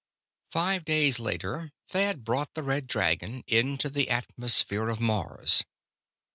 Five days later Thad brought the Red Dragon into the atmosphere of Mars.